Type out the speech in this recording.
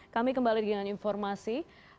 kami kembali dengan informasi